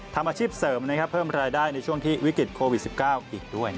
ทำอาชีพเสริมเพิ่มรายได้ในช่วงที่วิกฤตโควิด๑๙อีกด้วย